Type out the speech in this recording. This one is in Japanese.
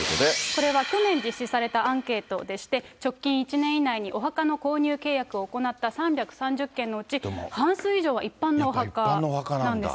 これは去年実施されたアンケートでして、直近１年以内に、お墓の購入契約を行った３３０件のうち半数以上は一般のお墓なんやっぱり一般のお墓なんだ。